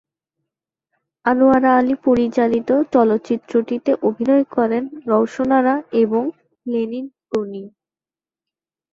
আনোয়ারা আলী পরিচালিত চলচ্চিত্রটিতে অভিনয় করেন রওশন আরা এবং লেনিন গনি।